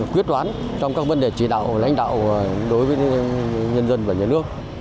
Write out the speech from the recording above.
quyết toán trong các vấn đề chỉ đạo lãnh đạo đối với nhân dân và nhà nước